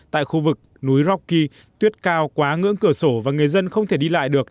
tại khu vực núi rocky tuyết cao quá ngưỡng cửa sổ và người dân không thể đi lại được